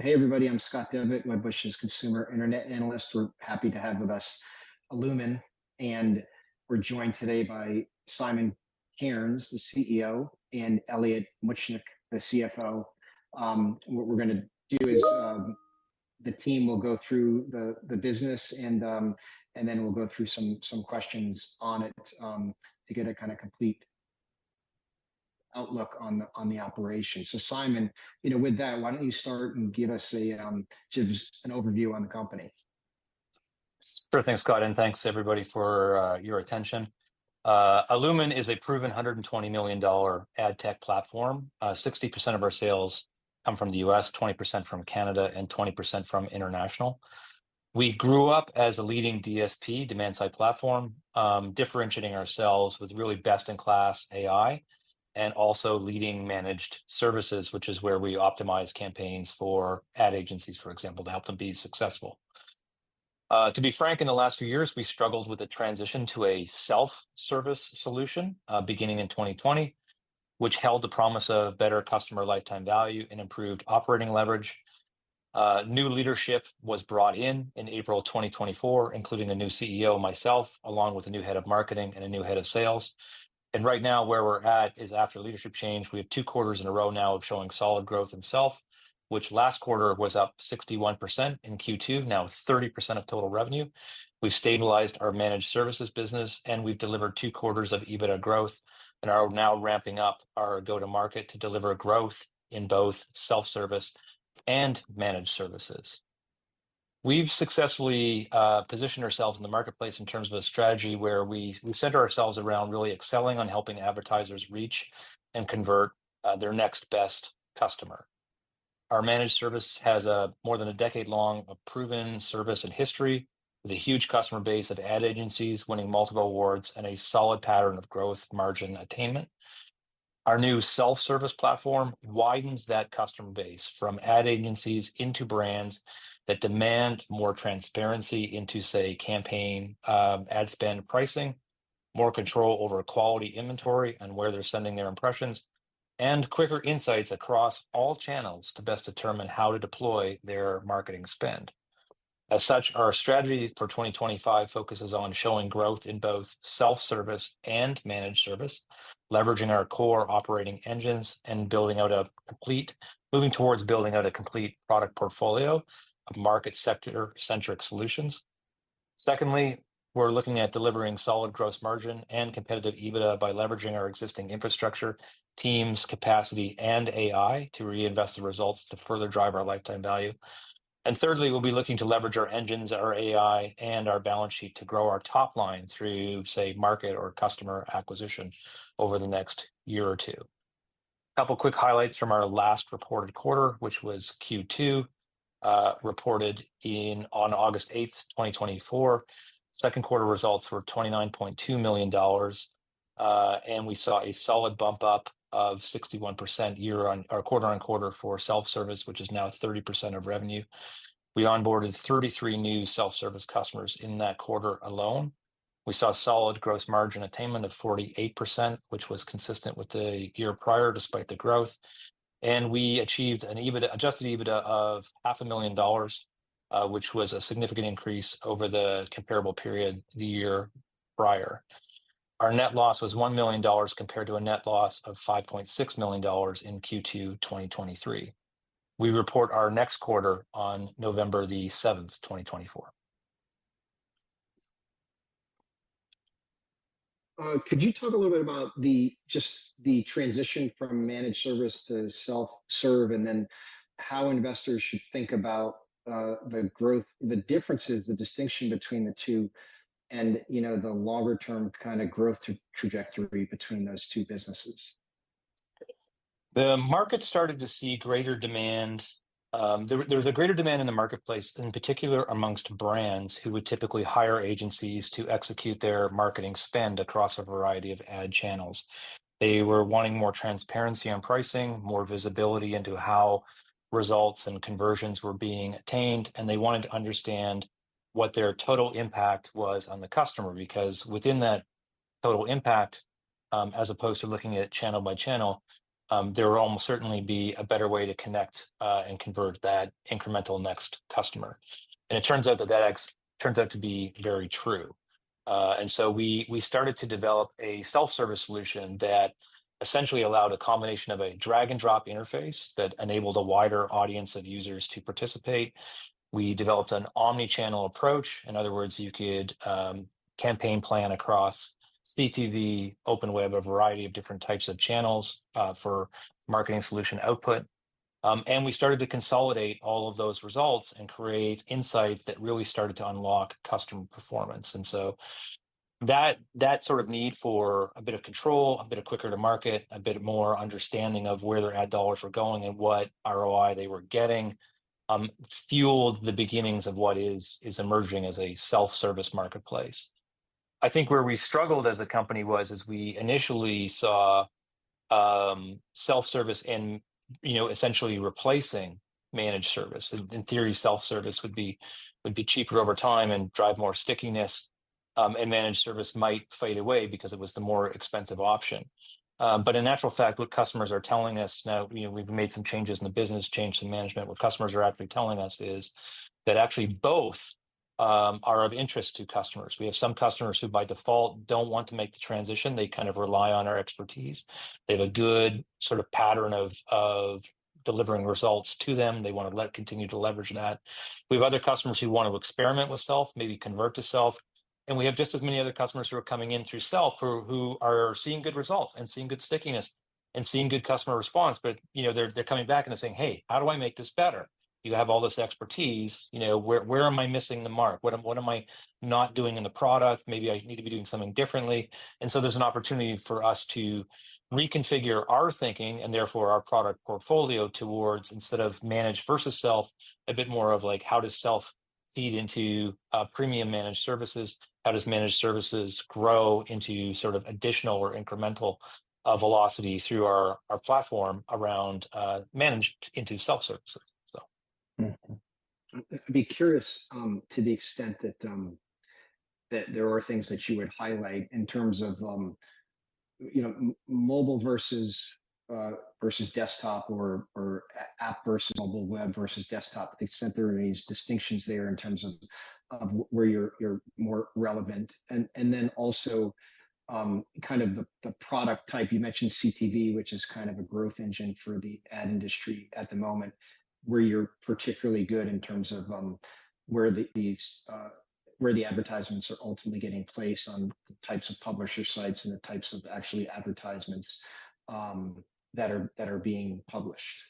Hey, everybody, I'm Scott Devitt. Wedbush's consumer internet analyst. We're happy to have with us Illumin, and we're joined today by Simon Cairns, the CEO, and Elliot Muchnik, the CFO. What we're gonna do is, the team will go through the business, and then we'll go through some questions on it, to get a kind of complete outlook on the operations. So Simon, you know, with that, why don't you start and give us just an overview on the company? Sure thing, Scott, and thanks, everybody, for your attention. Illumin is a proven 120 million dollar ad tech platform. 60% of our sales come from the U.S., 20% from Canada, and 20% from international. We grew up as a leading DSP, demand-side platform, differentiating ourselves with really best-in-class AI and also leading managed services, which is where we optimize campaigns for ad agencies, for example, to help them be successful. To be frank, in the last few years, we struggled with the transition to a self-service solution, beginning in 2020, which held the promise of better customer lifetime value and improved operating leverage. New leadership was brought in in April 2024, including a new CEO, myself, along with a new head of marketing and a new head of sales. Right now, where we're at is, after leadership change, we have two quarters in a row now of showing solid growth in self, which last quarter was up 61% in Q2, now 30% of total revenue. We've stabilized our managed services business, and we've delivered two quarters of EBITDA growth, and are now ramping up our go-to-market to deliver growth in both self-service and managed services. We've successfully positioned ourselves in the marketplace in terms of a strategy where we center ourselves around really excelling on helping advertisers reach and convert their next best customer. Our managed service has a more than a decade-long proven service and history, with a huge customer base of ad agencies winning multiple awards and a solid pattern of gross margin attainment. Our new self-service platform widens that customer base from ad agencies into brands that demand more transparency into, say, campaign, ad spend pricing, more control over quality inventory and where they're sending their impressions, and quicker insights across all channels to best determine how to deploy their marketing spend. As such, our strategy for 2025 focuses on showing growth in both self-service and managed service, leveraging our core operating engines and building out a complete product portfolio of market sector-centric solutions. Secondly, we're looking at delivering solid gross margin and competitive EBITDA by leveraging our existing infrastructure, teams, capacity, and AI to reinvest the results to further drive our lifetime value. And thirdly, we'll be looking to leverage our engines, our AI, and our balance sheet to grow our top line through, say, market or customer acquisition over the next year or two. Couple quick highlights from our last reported quarter, which was Q2, reported on August 8th, 2024. Second quarter results were 29.2 million dollars, and we saw a solid bump-up of 61% quarter on quarter for self-service, which is now 30% of revenue. We onboarded 33 new self-service customers in that quarter alone. We saw solid gross margin attainment of 48%, which was consistent with the year prior, despite the growth, and we achieved an EBITDA, adjusted EBITDA of 500,000 dollars, which was a significant increase over the comparable period the year prior. Our net loss was 1 million dollars, compared to a net loss of 5.6 million dollars in Q2 2023. We report our next quarter on November the 7th, 2024. Could you talk a little bit about the, just the transition from managed service to self-serve, and then how investors should think about the growth, the differences, the distinction between the two and, you know, the longer-term kind of growth trajectory between those two businesses? The market started to see greater demand. There was a greater demand in the marketplace, and in particular, amongst brands who would typically hire agencies to execute their marketing spend across a variety of ad channels. They were wanting more transparency on pricing, more visibility into how results and conversions were being attained, and they wanted to understand what their total impact was on the customer, because within that total impact, as opposed to looking at channel by channel, there would almost certainly be a better way to connect and convert that incremental next customer. And it turns out that that turns out to be very true. And so we started to develop a self-service solution that essentially allowed a combination of a drag-and-drop interface that enabled a wider audience of users to participate. We developed an omni-channel approach. In other words, you could campaign plan across CTV, open web, a variety of different types of channels for marketing solution output. And we started to consolidate all of those results and create insights that really started to unlock customer performance. And so that sort of need for a bit of control, a bit quicker to market, a bit more understanding of where their ad dollars were going and what ROI they were getting fueled the beginnings of what is emerging as a self-service marketplace. I think where we struggled as a company was we initially saw self-service in, you know, essentially replacing managed service. In theory, self-service would be cheaper over time and drive more stickiness and managed service might fade away because it was the more expensive option. But in actual fact, what customers are telling us now, you know, we've made some changes in the business, changed some management, what customers are actually telling us is that actually both are of interest to customers. We have some customers who, by default, don't want to make the transition. They kind of rely on our expertise. They have a good sort of pattern of delivering results to them. They wanna continue to leverage that. We have other customers who want to experiment with self, maybe convert to self, and we have just as many other customers who are coming in through self who are seeing good results and seeing good stickiness and seeing good customer response. But, you know, they're coming back and they're saying, "Hey, how do I make this better? You have all this expertise, you know, where am I missing the mark? What am I not doing in the product? Maybe I need to be doing something differently, and so there's an opportunity for us to reconfigure our thinking, and therefore our product portfolio, towards instead of managed versus self, a bit more of, like, how does self feed into premium managed services? How does managed services grow into sort of additional or incremental velocity through our platform around managed into self-service, so. I'd be curious, to the extent that there are things that you would highlight in terms of, you know, mobile versus desktop or app versus mobile web versus desktop, the extent there are any distinctions there in terms of where you're more relevant. And then also, kind of the product type. You mentioned CTV, which is kind of a growth engine for the ad industry at the moment, where you're particularly good in terms of where the advertisements are ultimately getting placed on the types of publisher sites and the types of actually advertisements that are being published.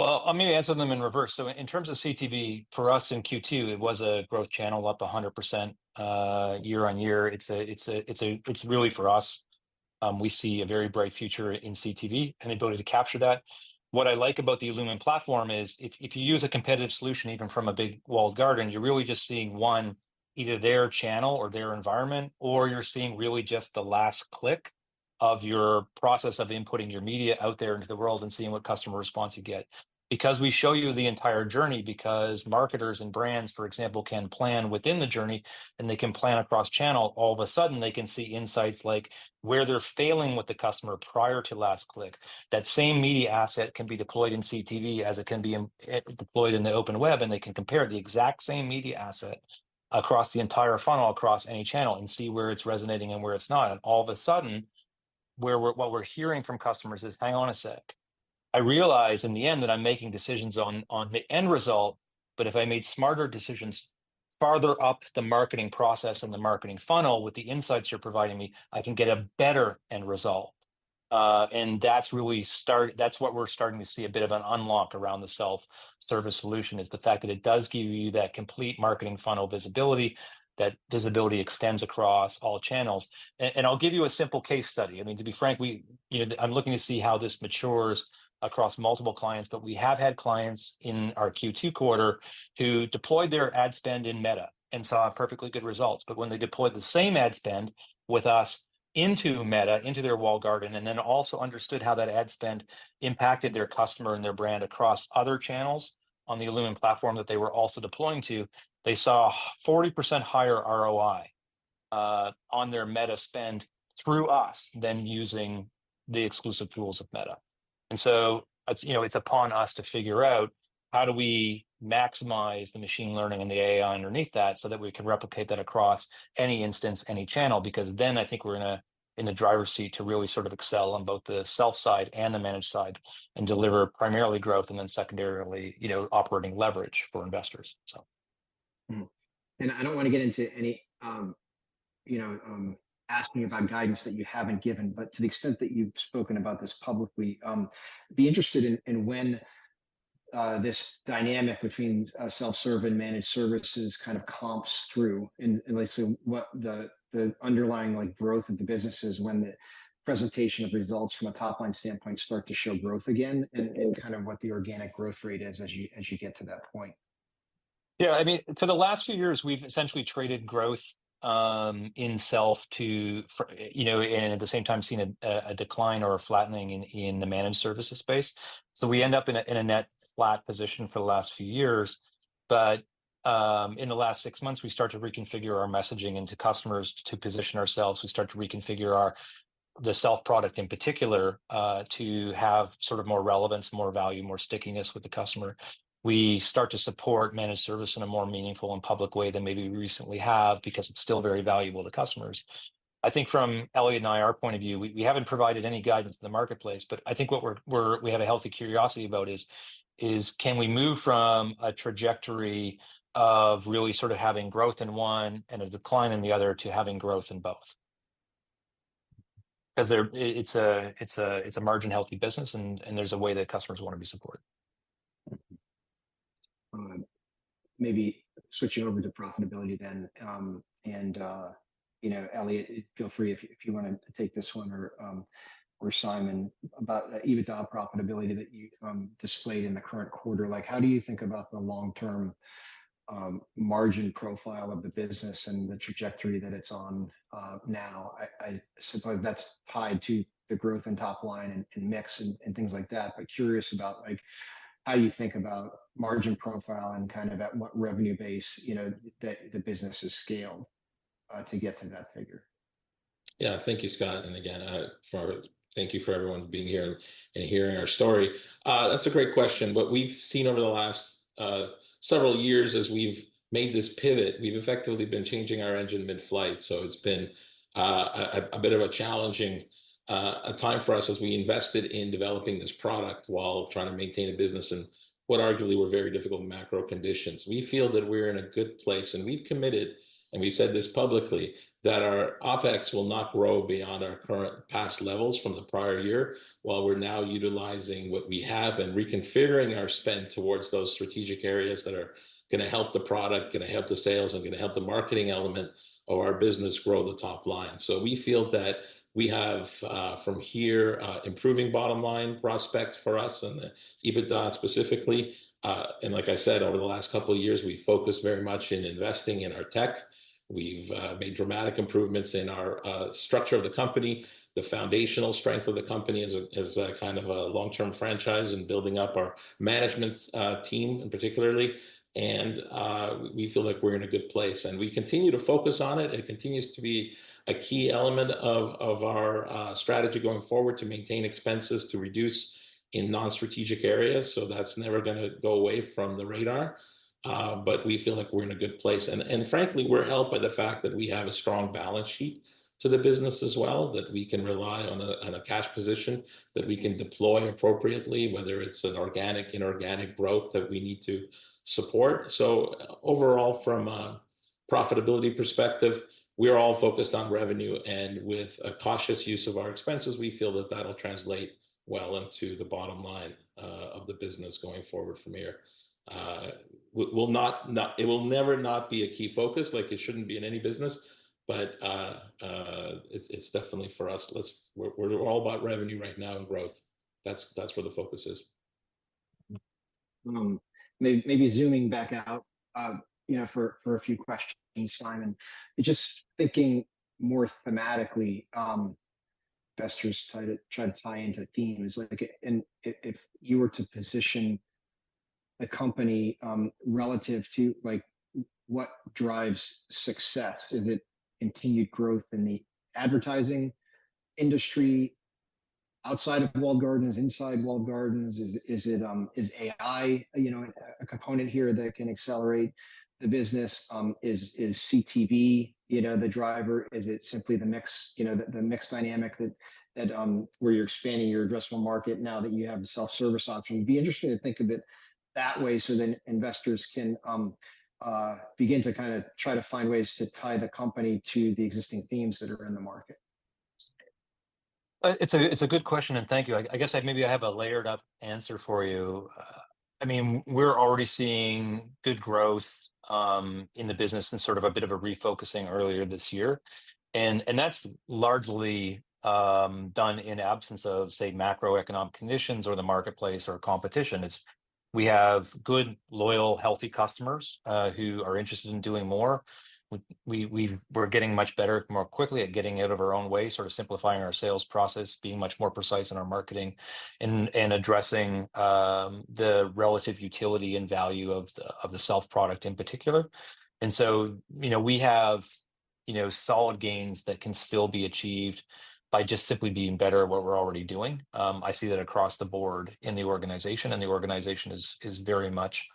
I'm gonna answer them in reverse. In terms of CTV, for us in Q2, it was a growth channel, up 100%, year-on-year. It's really for us, we see a very bright future in CTV and ability to capture that. What I like about the Illumin platform is if you use a competitive solution, even from a big walled garden, you're really just seeing one, either their channel or their environment, or you're seeing really just the last click of your process of inputting your media out there into the world and seeing what customer response you get. Because we show you the entire journey, because marketers and brands, for example, can plan within the journey and they can plan across channel, all of a sudden, they can see insights like where they're failing with the customer prior to last click. That same media asset can be deployed in CTV as it can be deployed in the open web, and they can compare the exact same media asset across the entire funnel, across any channel, and see where it's resonating and where it's not. And all of a sudden, what we're hearing from customers is, "Hang on a sec. I realize in the end that I'm making decisions on the end result, but if I made smarter decisions farther up the marketing process and the marketing funnel with the insights you're providing me, I can get a better end result, and that's really what we're starting to see, a bit of an unlock around the self-service solution, is the fact that it does give you that complete marketing funnel visibility. That visibility extends across all channels, and I'll give you a simple case study. I mean, to be frank, we... You know, I'm looking to see how this matures across multiple clients, but we have had clients in our Q2 quarter who deployed their ad spend in Meta and saw perfectly good results. But when they deployed the same ad spend with us into Meta, into their walled garden, and then also understood how that ad spend impacted their customer and their brand across other channels on the Illumin platform that they were also deploying to, they saw a 40% higher ROI on their Meta spend through us than using the exclusive tools of Meta. And so it's, you know, it's upon us to figure out, how do we maximize the machine learning and the AI underneath that, so that we can replicate that across any instance, any channel? Because then I think we're in a, in the driver's seat to really sort of excel on both the self side and the managed side, and deliver primarily growth, and then secondarily, you know, operating leverage for investors, so. And I don't wanna get into any, you know, asking about guidance that you haven't given, but to the extent that you've spoken about this publicly, be interested in when this dynamic between self-serve and managed services kind of comps through, and I say, what the underlying, like, growth of the business is, when the presentation of results from a top-line standpoint start to show growth again- Mm-hmm And kind of what the organic growth rate is as you get to that point. Yeah, I mean, so the last few years, we've essentially traded growth in self-serve, you know, and at the same time, seen a decline or a flattening in the managed services space. So we end up in a net flat position for the last few years. But in the last six months, we started to reconfigure our messaging to customers to position ourselves. We started to reconfigure our the self product in particular to have sort of more relevance, more value, more stickiness with the customer. We start to support managed service in a more meaningful and public way than maybe we recently have, because it's still very valuable to customers. I think from Elliot and I, our point of view, we haven't provided any guidance to the marketplace, but I think what we have a healthy curiosity about is, can we move from a trajectory of really sort of having growth in one and a decline in the other, to having growth in both? 'Cause they're... It's a margin-healthy business, and there's a way that customers wanna be supported. Maybe switching over to profitability then. And, you know, Elliot, feel free if, if you wanna take this one or, or Simon, about the EBITDA profitability that you displayed in the current quarter. Like, how do you think about the long-term margin profile of the business and the trajectory that it's on, now? I suppose that's tied to the growth in top line and, and mix and, and things like that. But curious about, like, how you think about margin profile and kind of at what revenue base, you know, that the business is scaled to get to that figure? Yeah, thank you, Scott. And again, thank you for everyone being here and hearing our story. That's a great question. What we've seen over the last several years as we've made this pivot, we've effectively been changing our engine mid-flight. So it's been a bit of a challenging time for us as we invested in developing this product while trying to maintain a business in what arguably were very difficult macro conditions. We feel that we're in a good place, and we've committed, and we've said this publicly, that our OpEx will not grow beyond our current past levels from the prior year, while we're now utilizing what we have and reconfiguring our spend towards those strategic areas that are gonna help the product, gonna help the sales, and gonna help the marketing element of our business grow the top line. We feel that we have, from here, improving bottom line prospects for us and the EBITDA specifically. Like I said, over the last couple of years, we've focused very much in investing in our tech. We've made dramatic improvements in our structure of the company, the foundational strength of the company as a kind of a long-term franchise, and building up our management team in particular, and we feel like we're in a good place. We continue to focus on it, and it continues to be a key element of our strategy going forward, to maintain expenses, to reduce in non-strategic areas. That's never gonna go away from the radar. But we feel like we're in a good place. Frankly, we're helped by the fact that we have a strong balance sheet to the business as well, that we can rely on a cash position that we can deploy appropriately, whether it's an organic, inorganic growth that we need to support. So overall, from a profitability perspective, we're all focused on revenue, and with a cautious use of our expenses, we feel that that'll translate well into the bottom line of the business going forward from here. It will never not be a key focus, like it shouldn't be in any business, but it's definitely for us. We're all about revenue right now and growth. That's where the focus is. Maybe zooming back out, you know, for a few questions, Simon. Just thinking more thematically, investors try to tie into themes, like, and if you were to position the company relative to, like, what drives success? Is it continued growth in the advertising industry outside of walled gardens, inside walled gardens? Is it AI, you know, a component here that can accelerate the business? Is CTV, you know, the driver? Is it simply the mix, you know, the mix dynamic that where you're expanding your addressable market now that you have the self-service option? It'd be interesting to think of it that way, so then investors can begin to kind of try to find ways to tie the company to the existing themes that are in the market. It's a good question, and thank you. I guess maybe I have a layered up answer for you. I mean, we're already seeing good growth in the business and sort of a bit of a refocusing earlier this year, and that's largely done in absence of, say, macroeconomic conditions or the marketplace or competition. We have good, loyal, healthy customers who are interested in doing more. We're getting much better more quickly at getting out of our own way, sort of simplifying our sales process, being much more precise in our marketing, and addressing the relative utility and value of the self-service product in particular. And so, you know, we have, you know, solid gains that can still be achieved by just simply being better at what we're already doing. I see that across the board in the organization, and the organization is very much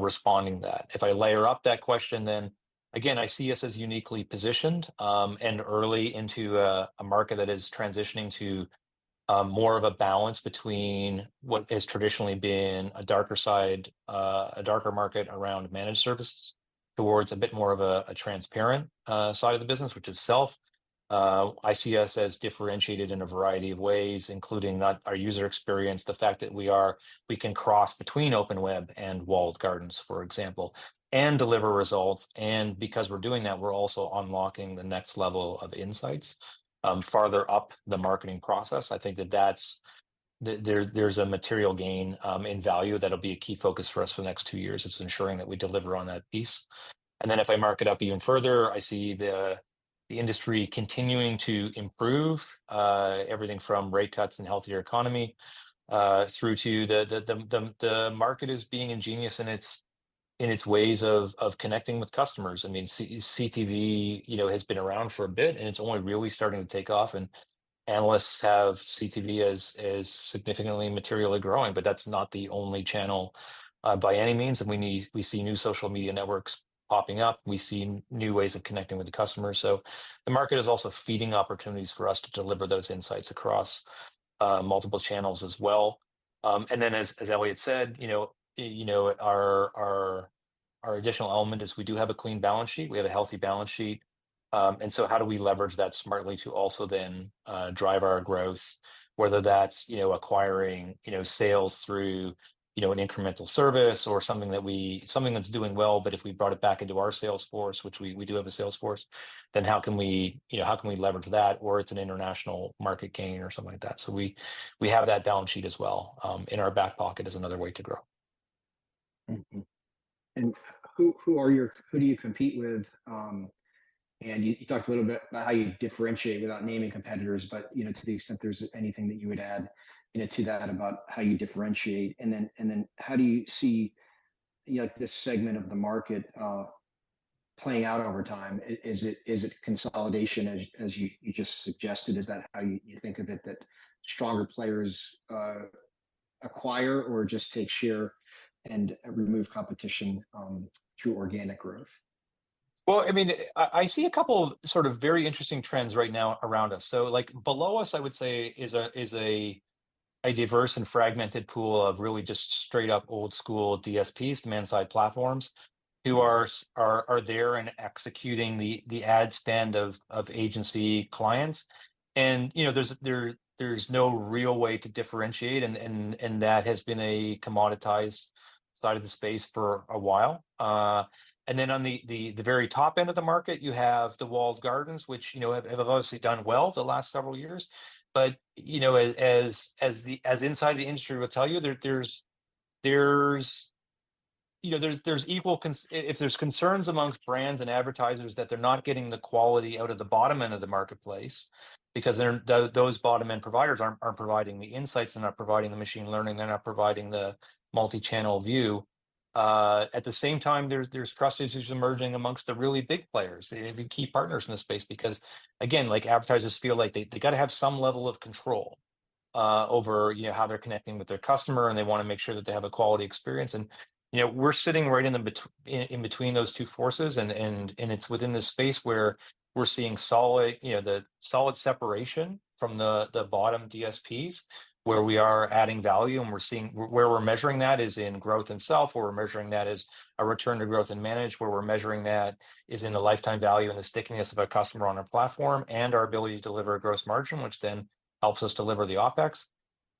responding to that. If I layer up that question, then again, I see us as uniquely positioned, and early into a market that is transitioning to more of a balance between what has traditionally been a darker side, a darker market around managed services, towards a bit more of a transparent side of the business, which is self. I see us as differentiated in a variety of ways, including that our user experience, the fact that we are, we can cross between open web and walled gardens, for example, and deliver results, and because we're doing that, we're also unlocking the next level of insights, farther up the marketing process. I think that that's... There's a material gain in value that'll be a key focus for us for the next two years, is ensuring that we deliver on that piece, and then, if I mark it up even further, I see the industry continuing to improve, everything from rate cuts and healthier economy through to the market is being ingenious in its ways of connecting with customers. I mean, CTV, you know, has been around for a bit, and it's only really starting to take off, and analysts have CTV as significantly and materially growing, but that's not the only channel by any means, and we see new social media networks popping up. We see new ways of connecting with the customers. So the market is also feeding opportunities for us to deliver those insights across multiple channels as well. And then, as Elliot said, you know, our additional element is we do have a clean balance sheet. We have a healthy balance sheet, and so how do we leverage that smartly to also then drive our growth? Whether that's, you know, acquiring, you know, sales through, you know, an incremental service or something that's doing well, but if we brought it back into our sales force, which we do have a sales force, then how can we, you know, how can we leverage that? Or it's an international market gain or something like that. So we have that balance sheet as well, in our back pocket as another way to grow. And who do you compete with? And you talked a little bit about how you differentiate without naming competitors, but, you know, to the extent there's anything that you would add, you know, to that about how you differentiate, and then, and then how do you see, you know, this segment of the market playing out over time? Is it consolidation as you just suggested? Is that how you think of it, that stronger players acquire or just take share and remove competition through organic growth? I mean, I see a couple of sort of very interesting trends right now around us. Like, below us, I would say, is a diverse and fragmented pool of really just straight-up old school DSPs, demand-side platforms, who are there and executing the ad spend of agency clients. You know, there's no real way to differentiate, and that has been a commoditized side of the space for a while. Then, on the very top end of the market, you have the walled gardens, which, you know, have obviously done well the last several years. But, you know, as insiders in the industry will tell you, there's equal concern if there's concerns among brands and advertisers that they're not getting the quality out of the bottom end of the marketplace because those bottom-end providers aren't providing the insights, they're not providing the machine learning, they're not providing the multi-channel view. At the same time, there's trust issues emerging among the really big players, the key partners in the space, because, again, like, advertisers feel like they gotta have some level of control over, you know, how they're connecting with their customer, and they wanna make sure that they have a quality experience. You know, we're sitting right in between those two forces, and it's within this space where we're seeing solid separation from the bottom DSPs, where we are adding value, and we're seeing where we're measuring that is in the lifetime value and the stickiness of a customer on our platform, and our ability to deliver a gross margin, which then helps us deliver the OpEx.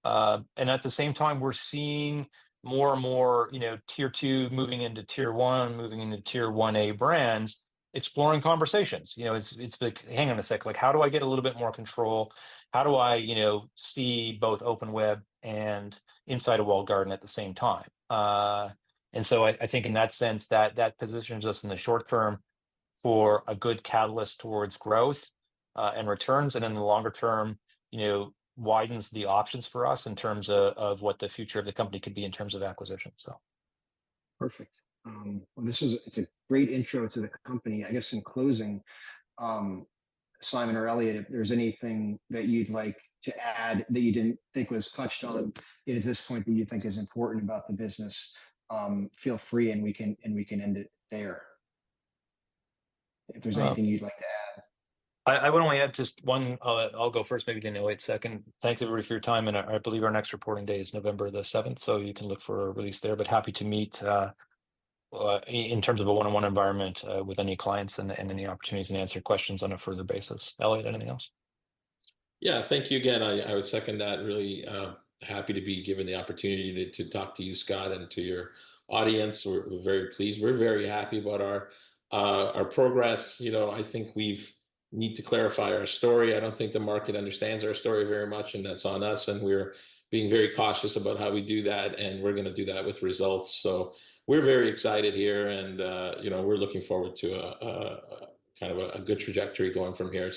And at the same time, we're seeing more and more, you know, tier two moving into tier one, moving into tier 1A brands, exploring conversations. You know, it's like, "Hang on a sec," like, "How do I get a little bit more control? How do I, you know, see both open web and inside a walled garden at the same time?", and so I think in that sense, that positions us in the short term for a good catalyst towards growth, and returns, and in the longer term, you know, widens the options for us in terms of what the future of the company could be in terms of acquisitions, so. Perfect. Well, this is a, it's a great intro to the company. I guess in closing, Simon or Elliot, if there's anything that you'd like to add that you didn't think was touched on at this point that you think is important about the business, feel free, and we can end it there. If there's anything you'd like to add I would only add just one. I'll go first, maybe then Elliot second. Thanks, everybody, for your time, and I believe our next reporting day is November the 7th, so you can look for a release there. But happy to meet in terms of a one-on-one environment with any clients and any opportunities, and answer questions on a further basis. Elliot, anything else? Yeah. Thank you again. I would second that. Really happy to be given the opportunity to talk to you, Scott, and to your audience. We're very pleased. We're very happy about our progress. You know, I think we need to clarify our story. I don't think the market understands our story very much, and that's on us, and we're being very cautious about how we do that, and we're gonna do that with results. So we're very excited here, and you know, we're looking forward to kind of a good trajectory going from here.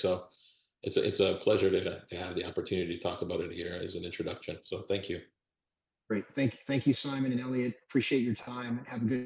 It's a pleasure to have the opportunity to talk about it here as an introduction, so thank you. Great. Thank you. Thank you, Simon and Elliot. Appreciate your time, and have a good-